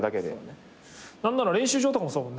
何なら練習場とかもそうだもんね。